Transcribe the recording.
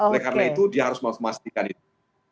nah karena itu dia harus memastikan itu